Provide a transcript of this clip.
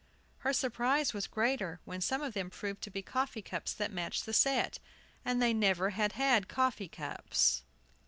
Her surprise was greater when some of them proved to be coffee cups that matched the set! And they never had had coffee cups.